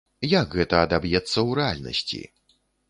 Як гэта адаб'ецца ў рэальнасці?